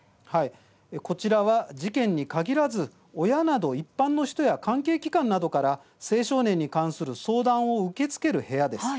こちらは事件に限らず親など、一般の人や関係機関などから青少年に関する相談を受け付ける部屋です。